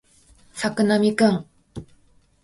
作並くん